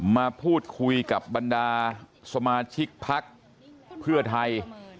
มาพูดคุยกับบรรดาสมาชิกพักเพื่อไทย